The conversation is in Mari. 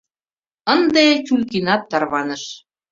Ынде Тюлькинат тарваныш.